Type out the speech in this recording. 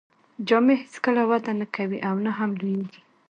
جامې هیڅکله وده نه کوي او نه هم لوییږي.